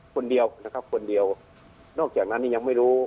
คนเดียวนะครับคนเดียวนอกจากนั้นนี่ยังไม่รู้